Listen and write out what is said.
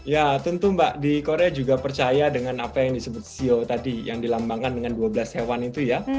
ya tentu mbak di korea juga percaya dengan apa yang disebut ceo tadi yang dilambangkan dengan dua belas hewan itu ya